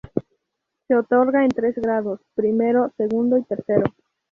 Se otorga en tres grados: primero, segundo y tercero.